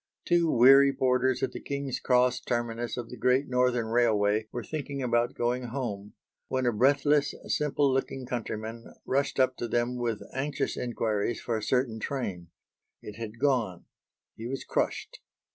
Two weary porters at the King's Cross terminus of the Great Northern Railway were thinking about going home, when a breathless, simple looking countryman rushed up to them with anxious enquiries for a certain train. It had gone. He was crushed.